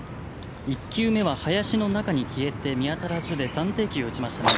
１球目は林の中に消えて見当たらずで暫定球を打ちましたね。